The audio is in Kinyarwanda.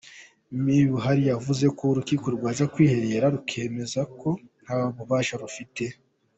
Me Buhuru yavuze ko urukiko rwajya kwiherera rukemeza ko nta bubasha rufite.